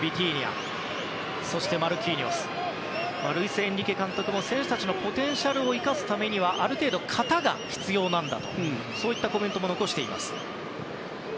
ルイス・エンリケ監督も選手たちのポテンシャルを生かすためにはある程度、型が必要なんだとそういったコメントも残しています。